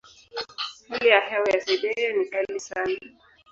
Hali ya hewa ya Siberia ni kali sana.